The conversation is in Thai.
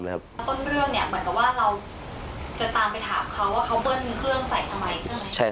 แล้วต้นเรื่องเนี่ยเหมือนกับว่าเราจะตามไปถามเขาว่าเขาเบิ้ลเครื่องใส่ทำไมใช่ไหม